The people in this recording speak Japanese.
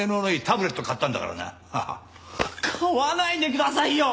買わないでくださいよ！